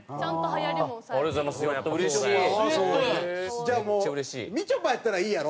じゃあもうみちょぱやったらいいやろ？